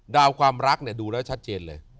ความรักเนี่ยดูแล้วชัดเจนเลย